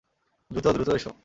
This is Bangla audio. দ্রুত, দ্রুত এসো!